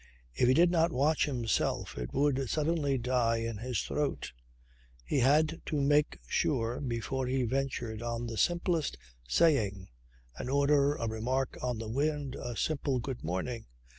If he did not watch himself it would suddenly die in his throat. He had to make sure before he ventured on the simplest saying, an order, a remark on the wind, a simple good morning.